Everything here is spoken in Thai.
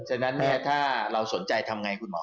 ฉะนั้นเนี่ยถ้าเราสนใจทำยังไงคุณหมอ